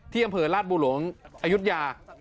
อำเภอราชบุหลวงอายุทยา